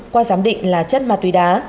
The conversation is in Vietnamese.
qua giám định là chất ma túy đá